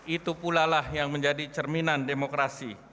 itulah yang menjadi cerminan demokrasi